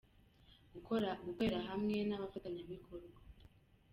gukorera hamwe n’abafatanyabikorwa.